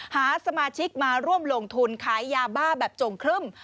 หาสมาชิกมาร่วมลงทุนขายยาบ้าแบบจงครึ่ม